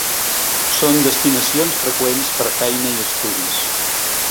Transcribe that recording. Són destinacions freqüents per feina i estudis.